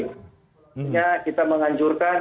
sebenarnya kita menganjurkan